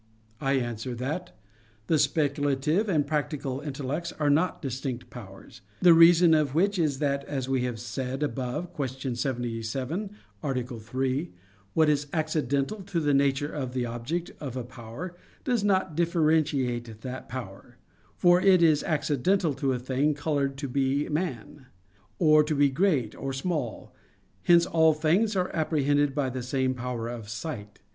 I answer that, The speculative and practical intellects are not distinct powers. The reason of which is that, as we have said above (Q. 77, A. 3), what is accidental to the nature of the object of a power, does not differentiate that power; for it is accidental to a thing colored to be man, or to be great or small; hence all such things are apprehended by the same power of sight.